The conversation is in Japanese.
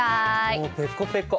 もうペコペコ。